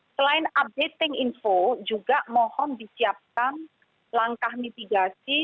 selain updating info juga mohon disiapkan langkah mitigasi